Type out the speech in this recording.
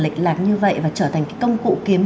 lệch lạc như vậy và trở thành cái công cụ kiếm